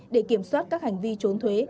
để kiểm soát các hành vi trốn thuế